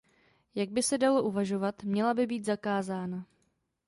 Jak by se dalo uvažovat, měla by být zakázána.